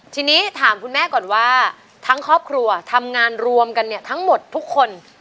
ทีนี้ถามคุณแม่ก่อนว่าทั้งครอบครัวทำงานรวมกันเนี่ยทั้งหมดทุกคน